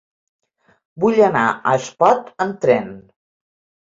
Vull anar a Espot amb tren.